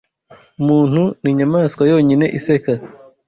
Umuntu ninyamaswa yonyine iseka.